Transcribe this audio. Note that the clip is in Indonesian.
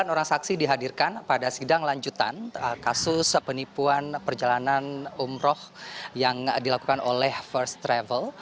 sembilan orang saksi dihadirkan pada sidang lanjutan kasus penipuan perjalanan umroh yang dilakukan oleh first travel